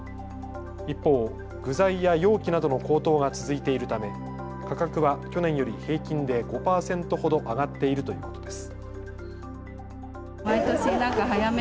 一方、具材や容器などの高騰が続いているため価格は去年より平均で５％ほど上がっているということです。